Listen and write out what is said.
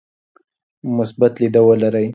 مثبت لید ولرئ.